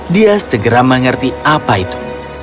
dia segera mengerti apa itu